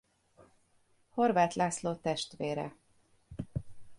Horváth László testvére.